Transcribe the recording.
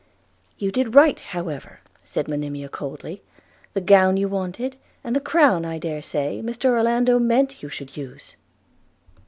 'You did right, however,' said Monimia coldly; 'the gown you wanted, and the crown, I dare say, Mr Orlando meant you should use.'